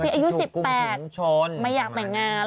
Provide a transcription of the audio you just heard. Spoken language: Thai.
อายุ๑๘ไม่อยากแต่งงาน